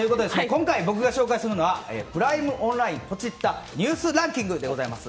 今回、僕が紹介するのはプライムオンラインポチッたニュースランキングでございます。